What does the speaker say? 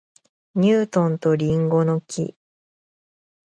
ニュートンと林檎の木